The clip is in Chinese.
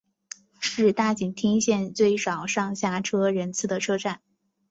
是大井町线最少上下车人次的车站。